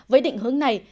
với định hướng này